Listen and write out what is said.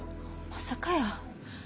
まさかやー。